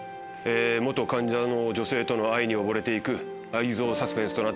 患者の女性との愛に溺れて行く愛憎サスペンスとなっています。